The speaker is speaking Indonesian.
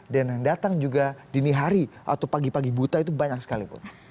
dan yang datang juga dini hari atau pagi pagi buta itu banyak sekali